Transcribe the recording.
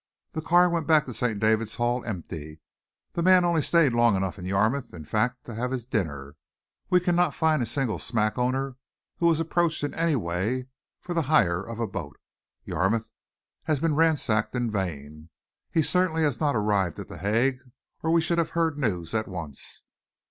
The car went back to St. David's Hall empty; the man only stayed long enough in Yarmouth, in fact, to have his dinner. We cannot find a single smack owner who was approached in any way for the hire of a boat. Yarmouth has been ransacked in vain. He certainly has not arrived at The Hague or we should have heard news at once.